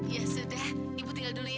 ya sudah ibu tinggal dulu ya